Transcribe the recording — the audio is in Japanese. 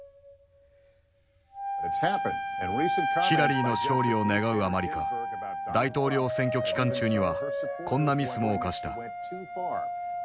ヒラリーの勝利を願うあまりか大統領選挙期間中にはこんなミスも犯した。